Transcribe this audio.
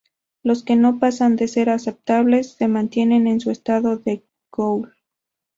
Los que no pasan de ser aceptables, se mantienen en su estado de ghoul.